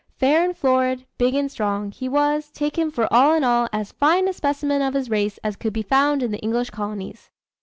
"Fair and florid, big and strong, he was, take him for all in all, as fine a specimen of his race as could be found in the English colonies."